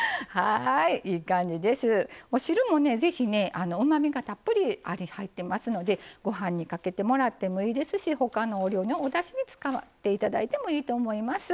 汁も、ぜひうまみがたっぷり入ってますのでご飯にかけてもらってもいいですし他のお料理の、おだしに使ってもいいと思います。